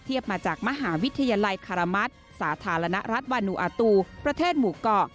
มาจากมหาวิทยาลัยคารมัติสาธารณรัฐวานูอาตูประเทศหมู่เกาะ